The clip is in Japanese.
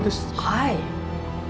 はい。